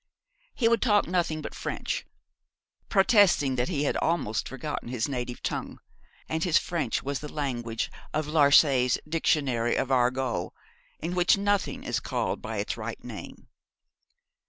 He would talk nothing but French, protesting that he had almost forgotten his native tongue, and his French was the language of Larchey's Dictionary of Argot, in which nothing is called by its right name.